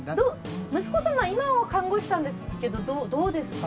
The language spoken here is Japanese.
息子さんは今は看護師さんですけどどうですか？